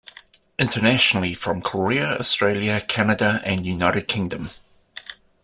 Internationally from Korea, Australia, Canada and United Kingdom.